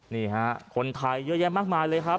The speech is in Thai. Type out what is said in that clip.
นี่ฮะคนไทยเยอะแยะมากมายเลยครับ